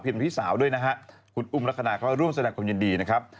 เป็นพี่สาวด้วยนะฮะคุณอุ้มลักษณะก็ร่วมแสดงความยินดีนะครับ